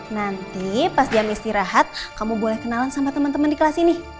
nanti pas jam istirahat kamu boleh kenalan sama teman teman di kelas ini